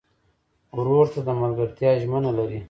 ورور ته د ملګرتیا ژمنه لرې.